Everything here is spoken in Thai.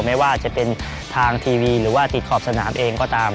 ไม่ว่าจะเป็นทางทีวีหรือว่าติดขอบสนามเองก็ตาม